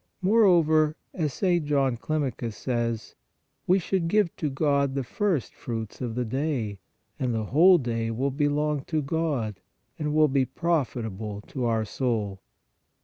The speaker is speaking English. More over, as St. John Climacus says, " we should give to God the first fruits of the day, and the whole day will belong to God," and will be profitable to our soul.